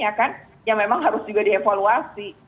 yang memang harus juga dievaluasi